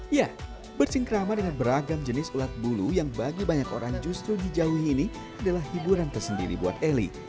ya bersingkrama dengan beragam jenis ulat bulu yang bagi banyak orang justru dijauhi ini adalah hiburan tersendiri buat eli